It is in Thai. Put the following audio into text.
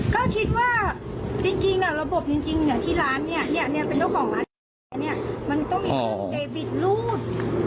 ก็คิดว่าจริงระบบที่ร้านเนี่ยเป็นต้นของร้านเนี่ยมันต้องมีเงินเงินเจบิตรูด